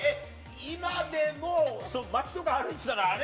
今でも、街とか歩いてたら、あれ？